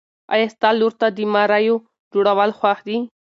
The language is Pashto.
ایا ستا لور ته د مریو جوړول خوښ دي؟